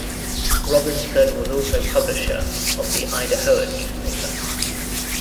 Robinson was also publisher of the "Idahoan" newspaper.